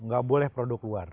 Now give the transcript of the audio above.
gak boleh produk luar